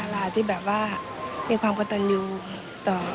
มีความกะตันยูต่อ